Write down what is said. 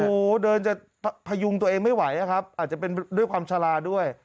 โอ้โหเดินจะพยุงตัวเองไม่ไหวนะครับอาจจะเป็นด้วยความชะลาด้วย